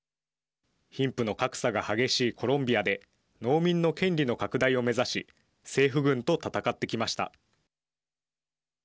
貧富の格差が激しいコロンビアで農民の権利の拡大を目指し政府軍と戦ってきました。